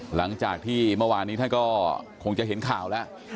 หลังจากที่เมื่อวานนี้ท่านก็คงจะเห็นข่าวแล้ว